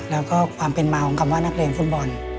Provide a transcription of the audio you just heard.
แล้วก็ความเป็นมาของคำว่านักเรียนฟุตบอล